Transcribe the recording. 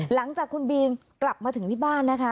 หลังจากคุณบีนกลับมาถึงที่บ้านนะคะ